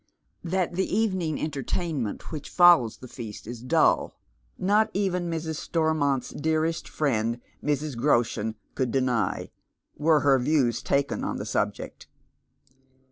101 That the evening entertainment which followa the feast is dull, not even Mrs. Storniont's dearest friend Mrs. Groshen could deny, were her views taken on the subject.